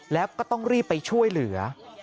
แล้วก็ต้องรีบไปช่วยเหลือ